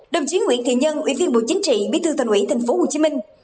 đồng chí nguyễn thị nhân ủy viên bộ chính trị bí thư thành ủy thành phố hồ chí minh